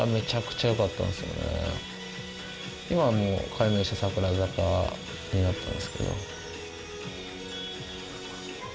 今はもう改名して「櫻坂」になったんですけど。